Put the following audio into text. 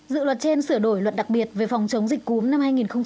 dự luật trên sửa đổi luật đặc biệt về phòng chống dịch cúm năm hai nghìn một mươi ba